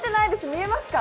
見えますか？